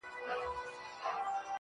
اوس پير شرميږي د ملا تر سترگو بـد ايـسو.